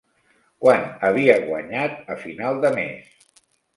Quant havia guanyat a final de mes?